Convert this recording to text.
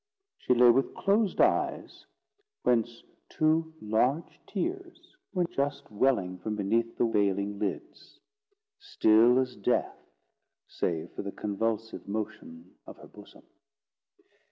She lay with closed eyes, whence two large tears were just welling from beneath the veiling lids; still as death, save for the convulsive motion of her bosom.